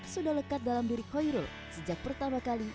sudah lekat dalam diri khoirul sejak pertama kali